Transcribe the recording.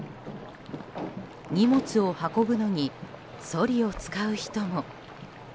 荷物を運ぶのにそりを使う人も。